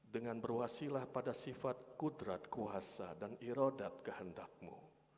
dengan berwasilah pada sifat kudrat kuasa dan irodat kehendakmu